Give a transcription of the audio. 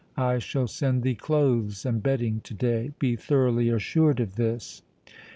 I shall send thee clothes and bedding to day; be thoroughly assured of this.